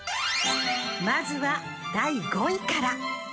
まずは第５位から。